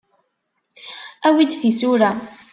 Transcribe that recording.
Awi-d tisura.